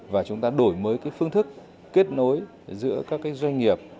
và chúng ta đổi mới phương thức kết nối giữa các doanh nghiệp